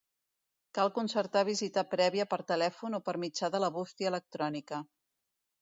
Cal concertar visita prèvia per telèfon o per mitjà de la bústia electrònica.